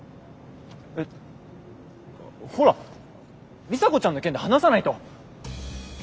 えっほら里紗子ちゃんの件で話さないと。